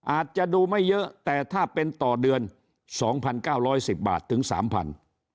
อาจจะดูไม่เยอะแต่ถ้าเป็นต่อเดือนสองพันเก้าร้อยสิบบาทถึงสามพัน